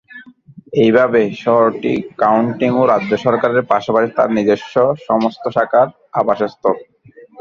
এইভাবে, শহরটি কাউন্টি ও রাজ্য সরকারের পাশাপাশি তার নিজস্ব সমস্ত শাখার আবাসস্থল।